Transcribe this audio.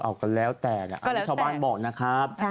เอาก็แล้วแต่นะอันนี้ชาวบ้านบอกนะครับ